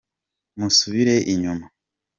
musubire inyuma.